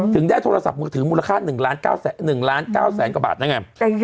ถึงได้โทรศัพท์มือถือมูลค่า๑ล้าน๙แสนกว่าบาทได้ไง